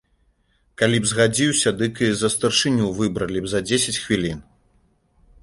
Калі б згадзіўся, дык і за старшыню выбралі б за дзесяць хвілін.